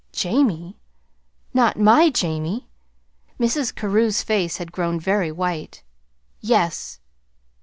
"Jamie! Not my Jamie!" Mrs. Carew's face had grown very white. "Yes."